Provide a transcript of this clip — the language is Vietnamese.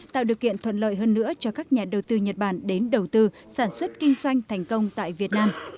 tạo điều kiện thuận lợi hơn nữa cho các nhà đầu tư nhật bản đến đầu tư sản xuất kinh doanh thành công tại việt nam